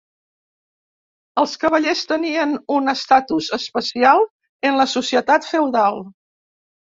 Els cavallers tenien un estatus especial en la societat feudal.